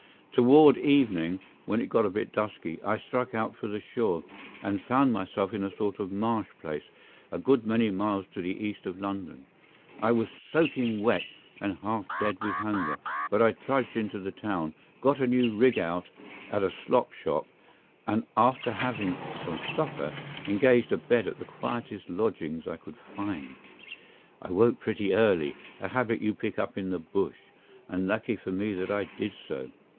Toward evening, when it got a bit dusky, I struck out for the shore, and found myself in a sort of marsh place, a good many miles to the east of London. I was soaking wet and half dead with hunger, but I trudged into the town, got a new rig out at a slop shop, and after having some supper, engaged a bed at the quietest lodgings I could find. I woke pretty early—a habit you pick up in the bush—and lucky for me that I did so.